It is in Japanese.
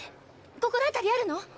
心当たりあるの？